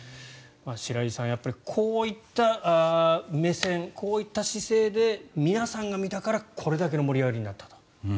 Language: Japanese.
白井さん、こういった目線こういった姿勢で皆さんが見たから、これだけの盛り上がりになったと。